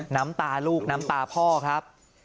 น้ำตาลูกน้ำตาพ่อครับ